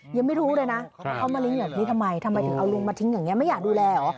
ยังไม่รู้เลยนะว่าเขามาเลี้ยงแบบนี้ทำไมทำไมถึงเอาลุงมาทิ้งอย่างนี้ไม่อยากดูแลเหรอ